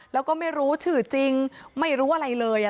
แล้วก็ไม่รู้ชื่อจริงไม่รู้อะไรเลย